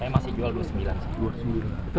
saya masih jual dua puluh sembilan rupiah